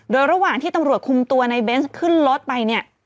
โดยระหว่างที่ตำรวจคุมตัวในเบนส์ขึ้นรถไปเนี่ย